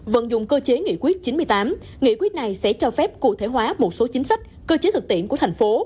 vận dụng cơ chế nghị quyết chín mươi tám nghị quyết này sẽ cho phép cụ thể hóa một số chính sách cơ chế thực tiễn của thành phố